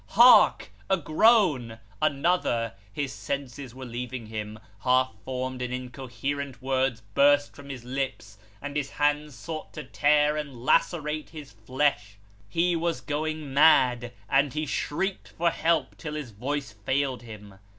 Hark! A groan ! another ! His senses were leaving him: half formed and incoherent words burst from his lips ; and his hands nought to tear and lacerate his flesh. He was going mad, and he shrieked for help till his voice failed him.